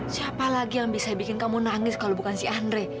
siapa lagi yang bisa bikin kamu nangis kalau bukan si andre